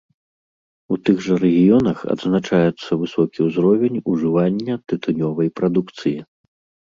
У тых жа рэгіёнах адзначаецца высокі ўзровень ужывання тытунёвай прадукцыі.